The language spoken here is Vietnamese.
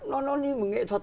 nó như một nghệ thuật